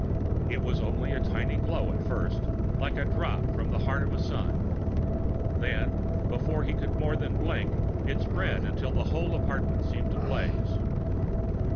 It was only a tiny glow, at first, like a drop from the heart of a sun. Then, before he could more than blink, it spread, until the whole apartment seemed to blaze.